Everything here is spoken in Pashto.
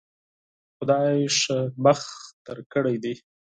خدای ښه بخت درکړی دی